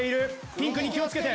ピンクに気をつけて。